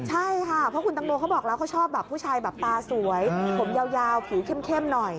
ใช่ค่ะเพราะคุณตังโมเขาบอกแล้วเขาชอบแบบผู้ชายแบบตาสวยผมยาวผิวเข้มหน่อย